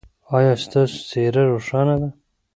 ایا ستاسو څیره روښانه ده؟